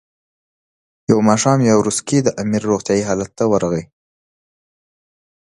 یو ماښام یاورسکي د امیر روغتیایي حالت ته ورغی.